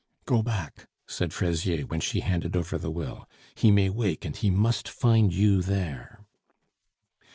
"Go back," said Fraisier, when she handed over the will. "He may wake, and he must find you there."